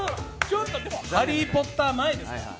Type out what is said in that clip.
「ハリー・ポッター」前ですから。